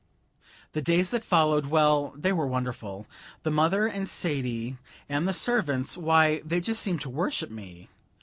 The days that followed well, they were wonderful. The mother and Sadie and the servants why, they just seemed to worship me.